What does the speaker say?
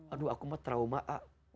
aduh aku mah trauma a